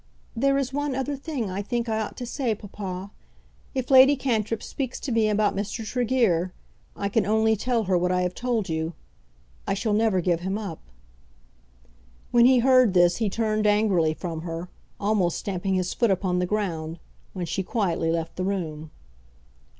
"There is one other thing I think I ought to say, papa. If Lady Cantrip speaks to me about Mr. Tregear, I can only tell her what I have told you. I shall never give him up." When he heard this he turned angrily from her, almost stamping his foot upon the ground, when she quietly left the room.